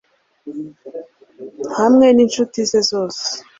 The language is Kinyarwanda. hamwe n'inshuti ze zose